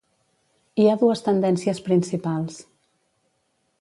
Hi ha dues tendències principals.